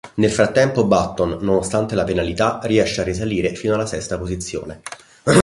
Nel frattempo Button nonostante la penalità riesce a risalire fino alla sesta posizione.